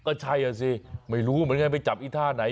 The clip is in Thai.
ก็ใช่อ่ะสิไม่รู้เหมือนกันไปจับอีท่าไหน